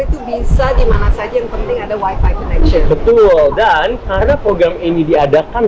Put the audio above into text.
itu bisa dimana saja yang penting ada wifi connection betul dan karena program ini diadakan